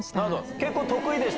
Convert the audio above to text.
結構、得意でした？